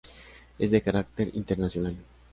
Es de carácter internacional.